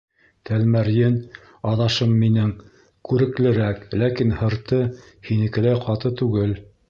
— Тәлмәрйен, аҙашым минең, күреклерәк, ләкин һырты һинекеләй ҡаты түгел.